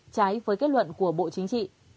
trái với kết luận của bộ chính trị